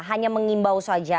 hanya mengimbau saja